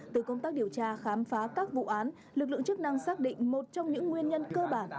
từ công tác điều tra khám phá các vụ án lực lượng chức năng xác định một trong những nguyên nhân cơ bản